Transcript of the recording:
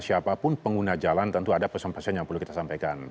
siapapun pengguna jalan tentu ada pesan pesan yang perlu kita sampaikan